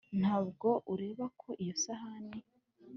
Nta bwo ureba ko iyo sahani,